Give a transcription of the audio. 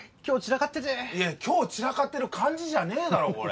今日散らかってていやいや今日散らかってる感じじゃねえだろ